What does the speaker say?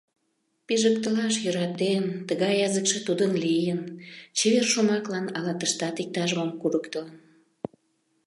Пижыктылаш йӧратен - тыгай языкше тудын лийын, - чевер шомаклан ала тыштат иктаж мом курыктылын...